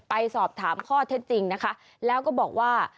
ไปสอบถามข้อเท็จจริงนะคะแล้วก็บอกว่า